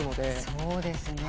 そうですね。